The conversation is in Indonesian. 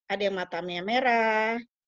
ada yang matamnya merah